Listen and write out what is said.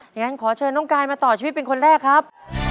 อย่างนั้นขอเชิญน้องกายมาต่อชีวิตเป็นคนแรกครับ